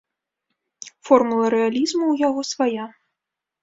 Формула рэалізму ў яго свая.